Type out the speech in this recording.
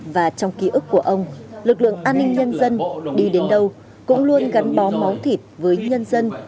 và trong ký ức của ông lực lượng an ninh nhân dân đi đến đâu cũng luôn gắn bó máu thịt với nhân dân